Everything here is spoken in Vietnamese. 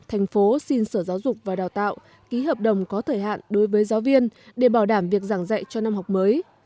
thành phố xin sở giáo dục và đào tạo ký hợp đồng có thời hạn đối với giáo viên để bảo đảm việc giảng dạy cho năm học mới